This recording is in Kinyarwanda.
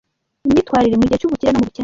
Imyitwarire mu gihe cy’ubukire no mu bukene